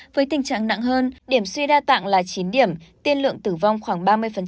với tình trạng nặng hơn điểm suy đa tạng là chín điểm tiên lượng tử vong khoảng ba mươi